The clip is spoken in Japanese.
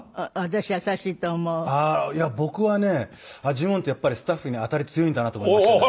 ジモンってやっぱりスタッフに当たり強いんだなと思いましたね。